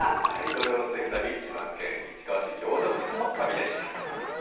土曜すてき旅、千葉県市川市行徳地区の旅でした。